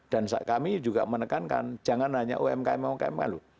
kami juga menekankan jangan hanya umkm umkm loh